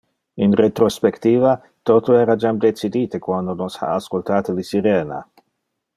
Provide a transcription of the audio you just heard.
In retrospectiva, toto era jam decidite quando nos ha ascoltate le sirena.